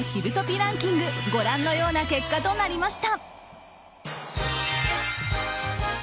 ランキングご覧のような結果となりました。